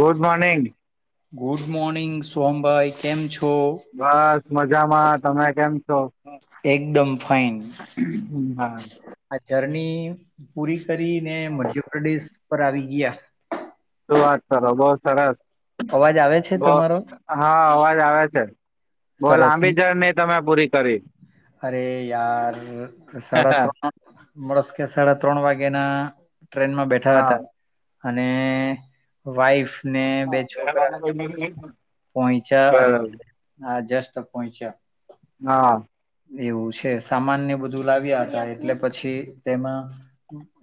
Good morning. Good morning સોમભાઈ કેમ છો? બસ મજામાં તમે કેમ છો? એકદમ ફાઇન. હા જર્ની પૂરી કરી ને મજરડીસ પર આવી ગયા શું વાત કરો બહુ સરસ અવાજ આવે છે બહ તમારો? હા અવાજ આવે છે. બો સરસ લાંબી જર્ની તમે પૂરી કરી. અરે યાર સાડા ત્રણ મળસ કે સાડા ત્રણ વાગ્યા ના ટ્રેનમાં બેઠા હા હતા અને વાઈફ ને બે છોકરા પહોંચ્યા બરાબર અ આ જસ્ટ પહોંચ્યો. હા. એવું છે સામાનને બધું લાવ્યા હતા એટલે પછી તેમાં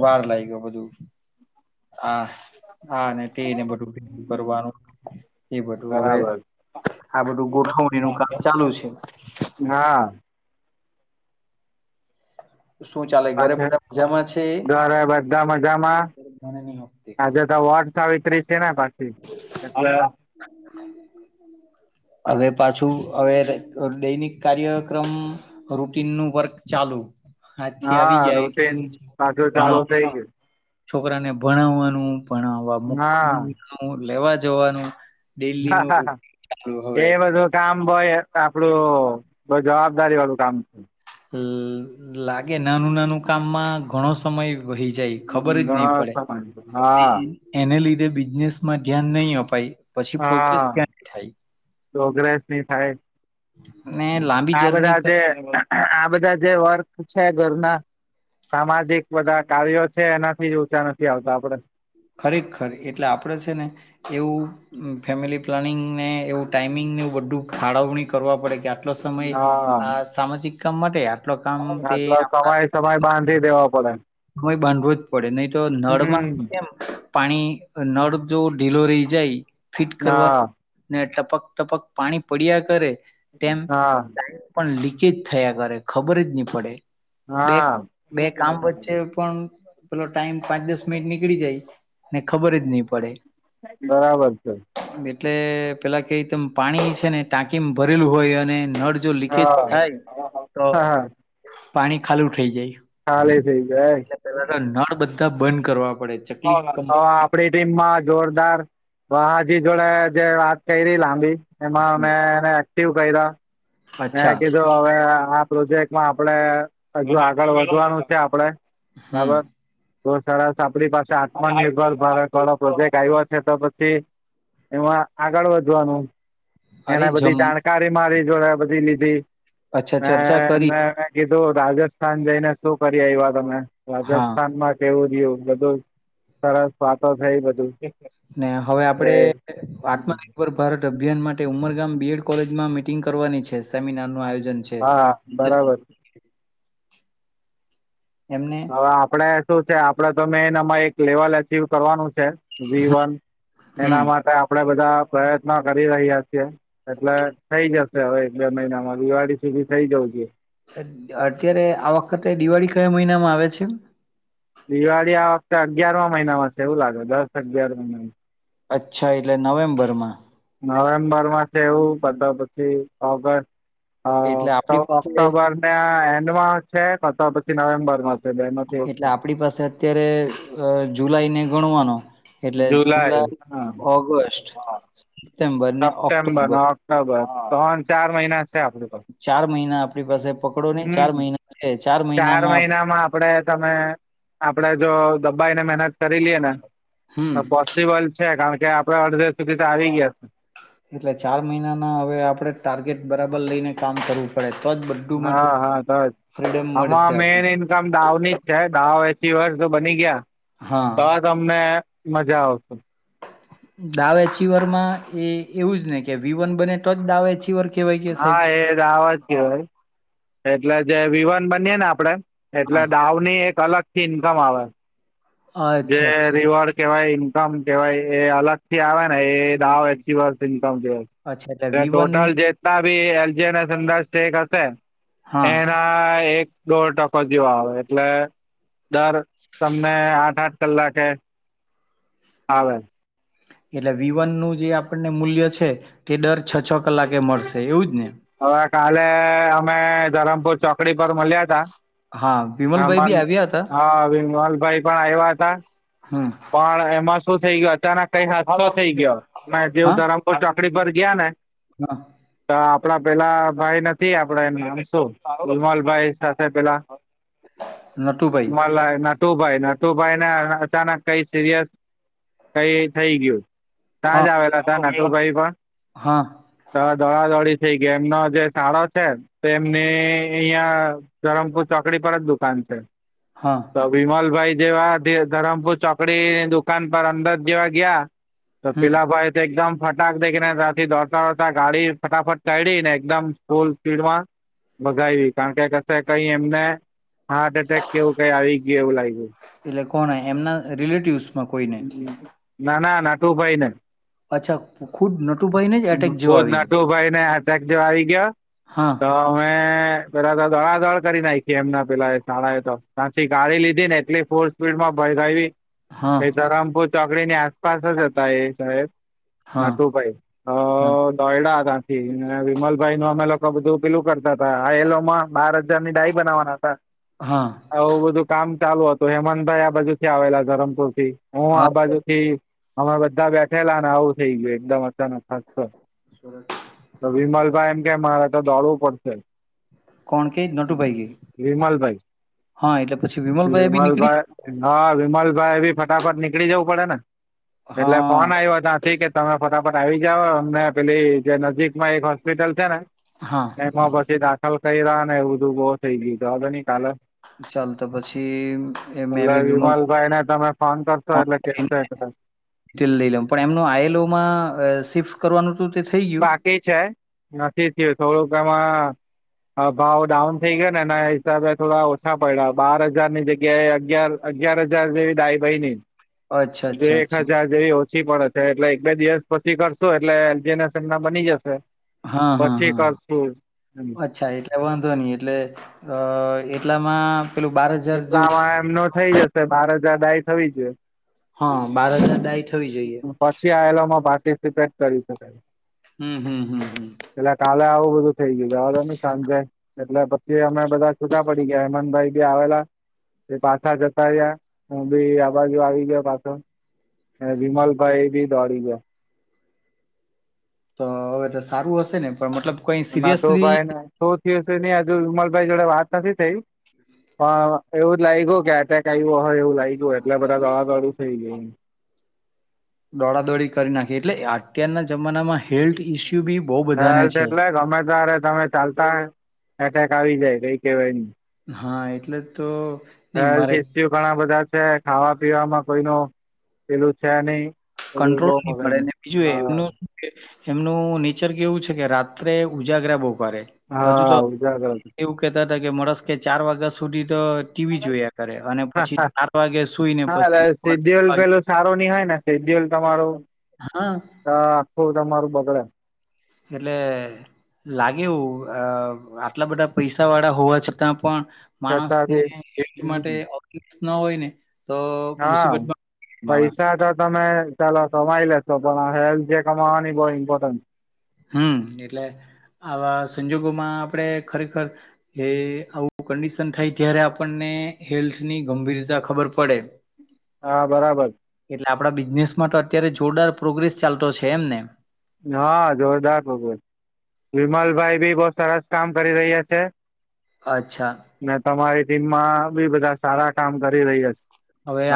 વાર લાગ ગયો. બધું હા હા ને તેને બધું જ કરવાનું એ બધું હવે બરાબર આ બધું ગોઠવણીનું કામ ચાલુ છે. હા શું ચાલે પાછ ઘરે બધા મજામાં છે ઘરે બધા મજામાં મને નહી આપતી કામ આજે તો વટસાવિત્રી છે. કેના પાછી [unintelligible] હવે પાછું હવે દૈનિક કાર્યક્રમ રૂટીન નું વર્ક ચાલુ હા જથી આવી ગયા રૂટીન એટલે પાછું [inaudible] ચાલુ થઈ ભણાવ છોકરાને ભણાવવાનું ભણાવવા ગયું મૂકવા લેવા જવાનું હા ડેલીનું હા ચાલુ એ હવે બધું કામ ભય આપડું બ જવાબદારી વાળું કામ છે. લાગે નાનું નાનું કામમાં ઘણો સમય વહી જાય ખબર જ નહી પડે હા એને લીધે બિઝનેસ માં ધ્યાન નહીં અપાય પછી પ્રોગ્રેસ હા. ક્યાથી થાય? પ્રોગ્રેસ ની થાય ને લાંબી આ જર્ની બધા જે આ બધા જે વર્ક ઘરના સામાજિક બધા કાર્યો છે, એનાથી ઉચા નથી આવતા આપડે ખરેખર એટલે આપડે છે ને એવું ફેમિલી પ્લાનિંગ ને એવું ટાઈમિંગ ને બંધુ ફાળવણી કરવા પડે કે આટલો સમય આ સામાજિક કામ માટે આટલો કામ તે આટલા આપણા સમય સમય બાંધી દેવા પડે. સમય બાંધવું જ પડે નહી તો નળમાં હમ કેમ. પાણી નળ જો ઢીલો રહી જાય ફિટ હા કરવાનું ને એટલે પક ટપક પાણી પડ્યા કરે તેમ હા. પાણી પણ લી કજ થયા કરે ખબર જ નહી પડે બે હા બે કામ વચ્ચે પણ પેલો ટાઈમ પાંચ દસ મિનિટ નીકળી જાય. ને ખબર જ નહી પડે. બરાબર છે એટલે પેલાં કે તમ પાણી છે ને ટાંકીમાં ભરેલું હોય અને નળ જો લીકેજ હા. થાય તો પાણી ખાલું થઈ જાય. હાલે થઈ ગયા એટલે પેલા તો નળ બધા બંધ કરવા. પડે ચકલી હવ કમ આપડી ટીમમાં જોરદાર વા હજી જોડે જે વાત કરી રહી લાંબી. એમાં મેં એને એક્ટિવ કર્યા મે અચ્છા કીધું હવે પ્રોજેક્ટમાં આપણેે હજુ આગળ વધવાનું છે, આપડે. હમ્મ તો સરસ આપણી પાસે આત્મનિર્ભર ભારત વાળો પ્રોજેક્ટ આવ્યો છે, તો પછી. એમાં આગળ વધવાનું અરે એને જમ બધી જાણકારી મારી જોડે બધી લીધી. અચ્છા ચર્ચા હ કરી મે [inaudible] રાજસ્થાન જઈને શું કરીએ, એ વા તમે હા રાજસ્થાનમાં કેવું? બું બધું સરસ વાતો થઈ બધું. ને હવે એ આપડે આત્મનિર્ભર ભારત અભિયાન માટે ઉંમર ગામ બીએડ કોલેજમાં મીટિંગ કરવાની છે, સેમિનારનું આયોજન. છે હા બરાબર એમને હવે આપડે શું છે આપડે તો મેન એમાં એક લેવલ આર્ચિવ કરવાનું છે, વી વન હમ એના માટે આપડે બધ બધ પ્રયત્ન કરી રહ્યા છે, એટલે થઈ જશે હવે એક બે મહિનામાં દિવાળી સુધી થ થઈ જઉ જેઇયે. અત્યારે આ વખતે દિવાળી કયા મહિનામાં આવે છે? દિવાળી આ વખતે અગયાર મહિનામાં છે, એવું લાગે દસ અગિયાર મહિનામાં અચ્છા એટલે નવેમ્બર માં નવેમ્બર માં છે એવું બધો પછી ઓગસ્ટ એટલે ઓ આપણી પાસે ઓક્ટોબર ના એન્ડ માં છે, કાતો પછી નવેમ્બર એટલે આપણી પાસે અત્યારે જુલાઈ ને ગણવાનો એટલે જુલાઈ, ઓગસ્ટ સપ્ટેમ્બર ને ઓક્ટોબર તન ચાર મહિના છે આપડે પાસે. ચાર મહિના આપણી પાસે પકડો નહી, ચાર હમ મહિના છે ચાર મહિનામાં તમે આપડે જો દબ્બાઈ ને મે મનત કરી લઈએ ને, હમ તો પોસિબલ છે કારણ કે આપડે અડધે સુધી તો આવી ગયા છે. એટલે ચાર મહિના ના હવે આપડે ટાર્ગેટ બરાબર લઈને કામ કરવું પડે. તો જ બધું માંથી હા હા તો જ ફ્રીડમ મળશે આમાં મેન આપણને ઈન્કમ દાવની જ છે દાવ પી વર્ષ તો બની ગયા હા તો તમને મજા આવશે, દાવેચીવર માં એ એવું જ ને કે વિવન બને તો જ દાવેચીવર હા, એ દાવજ કેવાય એટલે જે વિવાન બનીય ને આપડે હા એટલે દાવની એક અલગ થી ઈન્કમ આવે, જે અચ્છા અચ્છા રિવોડ કેવાય એની કમ કેવાય એ અલગ થી આવે ને એ દાવ એનીવર્ષરી અચ્છા એટલે વી વન ટોટલ જેટલા બી એલજીર ના‌ ધંધા સ્ટેક હશે, હા એના એક દોઢ ટકો જેવા આવે એટલે, દર તમને આઠ આઠ કલાકે આવે એટલે વિવન નું જે આપણને મૂલ્ય છે, તે ડર હવે કાલે અમે ધરમપુર ચોકડી પર મલ્યા તા હા વિમલભાઈ હમાન બી આવ્યા હતા હા વિમલભાઈ પણ આવ્યા હતા, હમ પણ એમાં શું થઇ ગયો અચાનક કઈ હાદસો થઇ ગયો મે જેવું હા ધરમપુર ચૌ કળિ પર ગિયા ને તો [unintelligible] આપડા પેલા ભાઈ નથી આપડા એનું નામ શું રમાલ ભાઈ સાથે પેલા નટુભાઈ મલાય નાટુભાઈ નાટુભાઈ ના અચાનક કઈ સિરિયસ કઈ થઈ ગયું હા ત્યાંજ આવેલા તા નકુરભાઈ પણ તો હા દોડા દોડી થઈ ગયી એમનો જે શાળો છે તો એમની અહિયાં ધરમપુર ચોકડી પર જ દુકાન છે, હા તો વિમલભાઈ જેવા ધરમપુર ચો કડીની દુકાન પર અંદર જેવા ગયા તો હમ પેલા ભાઈ તો એકદમ ફટાક દેખીને ત્યાંથી દોડતા દોડતા ગાડી ફટાફટ કાયઢી ને એકદમ ફૂલ સ્પીડમાં ભગાવી કારણ કે કશે કઈ એમને હાર્ટ એટેક કેવું કઈ આવી ગયું એવું લાગ્યું. એટલે કોણ એમના રિલેટિવ્સ? ના ના નાટું ભાઈ ને અછા ખુબ ન ખુદ નટુભાઈ ને અટક જો આવી ગયો હા તો અમે પેલા તો દોડાદોડ કરી નાખીએ એમના પેલા એ શાળાએ તો તથી ગાડી લીધી ને એટલી ફુલ સ્પીડ માં ભ હા [unintelligible] એ ધરામપુર ચોકડી ની આસપાસ જ હતા એ શહેબ, હા નટુભાઈ હ હા તથી વિમલભાઈ નું અમે લોકો બધું પીલું કરતા હતાા આ એલોમાં બાર હજાર ની ડાઈ બનાવાના હતા. હા આવું બધું કામ ચાલુ હતું હેમંતભાઈ આ બાજુ થી આવેલા ધરમપુરથ હું આ હા બાજુ થી અમે બધા બેઠેલા અને આવું થઇ ગયું એકદમ અચાનક અચ્છા, તો હા બોલો. વિમલભાઈ, એમ કે મારે દોડવું પડશે. કોણ કે નટુભાઈ કે વિમલભાઈ. હા એટલે પછી વિમલભાઈ બી નીકળી વિમલભાઈ હા વિમલભાઈ બી ફટાફટ નીકળી જવું પડે ને એટલે ફોન હા આવ્યો ત્યાંથી કે તમે ફટાફટ આવી અમને પેલી જે નજીકમાં એક હોસ્પિટલ છે ને હા એમાં પછી દાખલ તૈયાર એવું બધું બહુ થઈ ગયું જવા દો ને. ચાલ તો પછી એ મે એટલે બી વિમલ વિમલભાઈ ને તમે ફોન કરશો એટલે કેશે [unintelligible] કદાચ પણ એમનું આયેલુમાં બાકી છે નથી થયું થોડુંક એમાં હા ભાવ ડાઉન થઈ ગયો ને એના હિસાબે થોડા ઓછા પડ્યા બાર હજાર ની જગ્યાએ અગિયાર અગિયાર હજાર જેવી દાઈ ભાઈ ની અચ્છા હજુ અચ્છા એક અચ્છા હજાર જેવી ઓછી એટલે એક બે દિવસ પછી કરશો એટલે જેના હસે બની જશે. હા હા પછી કરશું હા અચ્છા એટલે વાંધો નહી એટલે અ એટલામાં પેલું બાર હજાર જેવું એટલામાં એમનો થઈ જશે બાર હજાર ડાય થવી જોઈએ. હા બાર હજાર ડાય થવી જોઈએ પછી આ લોકોમાં બધા પાર્ટિસિપેટ કરી શકે. હમ હમ હમ આવું બધું થઈ ગયું જવા દો ની સાંજે એટલે પછી અમે બધા છૂટા પડી ગયા હેમંતભાઈ બી આવે એ પાછા જતા રહયા હું બી આ બાજુ આવી ગયો પાછો. હં વિમલભાઈ એ બી દોડી ગયો. તો હવે તો સારું હશે ને પણ મતલબ કઈ સિરિયસલી નટુભાઈને શું થયુ છે એ હજુ વિમલભાઈ જોડે વાત નથી થઈ. પણ એવું જ લાગ્યું કે એટેક આવ્યો હોય, એવું લાગ્યું એટલે બધા દોડાદોડી થઈ ગઈ. દોડાદોડી કરી નાખી એટલે કે અત્યારના જમાનામાં હેલ્થ ઈસ્યુ બી બહુ બધાને [unintelligible] છે. એટલે ગમે તારે તમે ચાલતા એટેક આવી જાય કઈ કહેવાય ના હા એટલે તો ની હેલ્થ મારે ઇસ્યુ ઘણા બધા છે ખાવા પીવામાં કોઈ ન પેલું છે નહી. બધું કંટ્રોલ બહુ નહી મળે મગજ બીજું એ હા એમનું એમનું નેચર કેવું છે કે રાત્રે ઉજાગરા બહુ હજુ તો હા ઉજાગર એવું કહેતા હતા કે મળસકે ચાર વાય્ગા સુધી તો ટીવી જોયા કરે અને પછી ચાર વાગે સુઈ ને પછી [unintelligible] શેડ્યૂલ તમારું હા. હો તમારું બગડે. એટલે લાગે એવું આટલા બધા પૈસા વાળા હોવા છતાં પણ છતાં બી માણસને માટે આવું ના હોય ને તો હા મુસીબતમાં માણસ પૈસા તો તમે ચાલો કમાય લેશો હેલ્ જે કમાવાની જે બહુ ઈંપોર્ટન હં એટલે આવા સંજોગોમાં આપણેે ખરેખર એ આવું કેન્ડીશન થાય ત્યારે આપણને હેલ્થની ગંભીરતા ખબર પડે હા બરાબર એટલે આપના બિઝનેસમાં તો અત્યારે જોરદાર પ્રોગ્રેસ ચાલતો છે એમ ને હા જોરદાર પ્રોગ્રેશ વિમલભાઈ બી બહુ સરસ કામ કરી રહ્યા છે અચ્છા તમારી ટીમમાં બી બધા સારા કામ કરી રહીયા છે.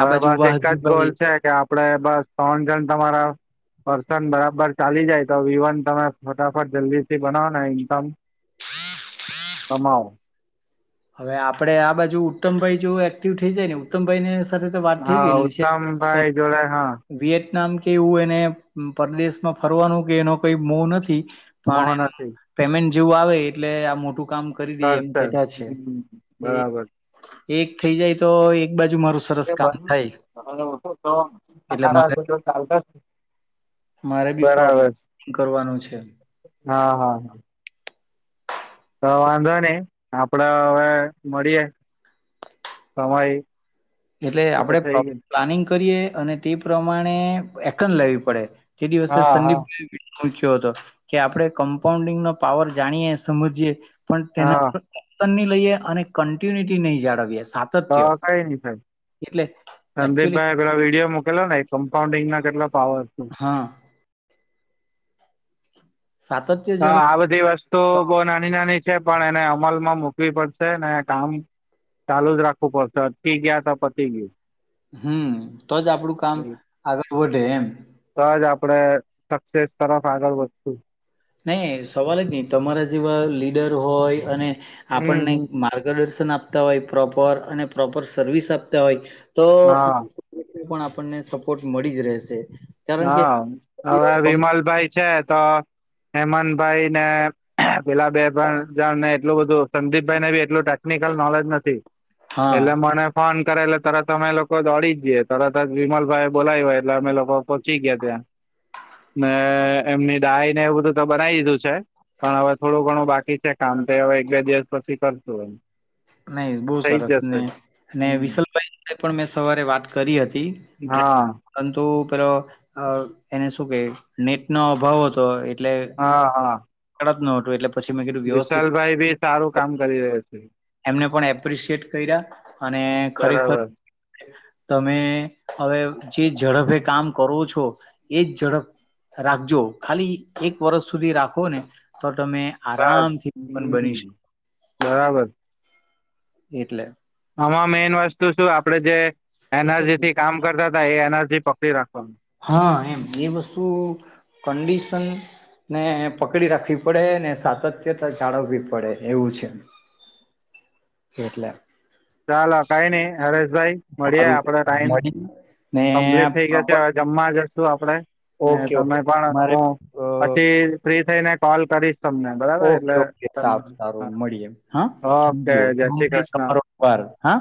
આ બાજુ બસ એક જ વાહજીભાઈ ગોલ છે કે પણ એવું જ લાગ્યું કે અટેક આવ્યો હોય, એવું લાગ્યું એટલે બધા દોડાદોડી થઈ ગઈ. ત્રણ જણ તમારા પર્સન બરાબર ચાલી જાય તો વિવાન તમે ફટાફટ જલ્દી બના ના ઇન્કમ કમાઓ હવે આપડે આ બાજુ ઉત્તમભાઈ જો એક્ટિવ થઈ જાય ને ઉત્તમભાઈ ને સાથે વાત થઈ હા ગયેલી છે ઉત્તમભાઈ જોડે હા વિયતનામ કે એવું એને પરદેશમાં ફરવાનું કે એનો કઈ મો નથી પણ મોહ એનું નથી પેમેન્ટ જેવું આવે એટલે આ મોટું કામ કરી દે એમ કેધા છે હ બરાબર. એક થઇ જાય તો એક બાજુ મારું સરસ કામ થાય તો એટલે મારે ચાલતા મારે [unintelligible] બી પ્રોબ્લેમ બરાબર કરવાનું છે. હા હા હા. તો વાંધો નહી આપડે હવે મળીએે સમય એટલે આપણેે પ્રો થઈ ગયો પ્લાનિંગ કરીએ અને તે પ્રમાણે એકન લેવી પડે કે દિવસે હા સંડીપ હા મૂખ્યો હતો કે આપડણે કમ્પાઉન્ડિંગ નો પાવર જાણીએ સમજીએ પણ તેના હા પરતન ની લઈએ અને કન્ટિન્યુટી નહી જાળવીએ તો સાતત્ય [unintelligible] એટલે એકચુલી સંદીપભાઈ પેલા વિડીિયો મોકલો ને એ કમ્પાઉન્ડિંગ ના કેટલા પાવર હા સાતત્ય હ જળવ આ બધી વસ્તુ તો બહ નાની નાની છે પણ એને અમલમાં મૂકવી પડશે ને કામ ચાલુ જ રાખવું પડશે અ ગયા તો પતી ગયું હમ તો જ આપડું કામ આગળ વધે એમ તોજ આપડે સક્સેસ તરફ આગળ વધશું નહી સવાલ જ નઈ તમારા જેવા લીડર હોય અને હમ આપણને હમ માર્ગદર્શન આપતા હોય પ્રોપર અને પ્રોપર સર્વિસ આપતા હોય તો હા પણ આપણને સપોર્ટ મળી જ રહેશે. કારણ કે હા હવે વિમલભાઈ છે તો હેમંત ભાઈ ને પેલા બે ભ જણ ને એટલું બધું સંદીપભાઈ ને એટલું ટેકનિકલ નોલેજ નથી હા એટલે મને ફોન કરટલે તરત અમે લોકો દોડી જ જીએ તરત જ વિમલ ભાઈ એ બોલાવી હોય એટલે અમે લોકો પહોંચી ગયા ત્યાં ને એમની ડાયી ને એવું બધું તો બનાવી દીધું છે પણ હવે થોડું ઘણું બાકી છે કામ તે હવે એક બે દિવસ પછી કરશું નહી બહ થઈ જ સરસ જશે ને અને હમ વિશલભાઈ પણ મેં સવારે વાત કરી હતી ટ હા પરંતુ પેલો એને શું કે નેટ નો અભાવ હતો. એટલે હા હા. ન હતું એટલે પછી મેં કીધું વ્યવસ્થિત વિશાલભાઈ બી સારું કામ કરી રહ્યા છે એમને પણ એપ્રિશિએટ કર્યા અને ખરેખર બરાબર તમે હવે જે ઝડપે કામ કરો છો એજ ઝડપ રાખજો ખાલી એક વર્ષ સુધી રાખો ને તો તમે બસ આરામથી [inaudible] હમ બની શક બરાબર એટલે. આમાં મેઈન વસ્તુ શું આપડે જે એર્નજી થી કામ કરતા તા એ એનર જી પકડી રાખવાનું હા એમ. એ વસ્તુ કંડિશન ને પકડી રાખવી પડે ને સાતત્યતા જાળવવી પડે એવું છે. એટલે ચાલો કાઈ નઈ, હરેશભાઈ મળીએ સારું આપડા ટાઈમ મળી ને કમ્પ્લીટ થઈ ગયો પ્રોપર શે હવે જમવા જશું આપડે. ને ઓકે તમે ઓકે પણ મારે હું પછી ફ્રી થઈને કોલ કરીશ. તમને બરાબર એટલે ઓકે-ઓકે. સારું ચાલો મળીએે હા ઓકે જય શ્રી કૃષ્ણ [inaudible] હા.